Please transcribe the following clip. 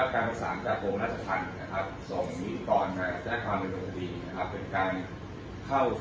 ความยากถามการนำเวลาจำ